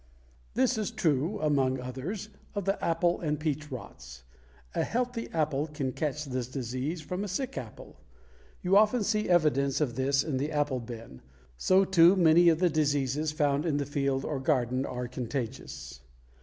This is true, among others, of the apple and peach rots. A healthy apple can catch this disease from a sick apple. You often see evidence of this in the apple bin. So, too, many of the diseases found in the field or garden are contagious.